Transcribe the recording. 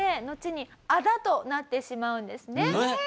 のちにあだとなってしまうんですね。